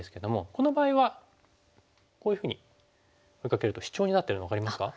この場合はこういうふうに追いかけるとシチョウになってるの分かりますか？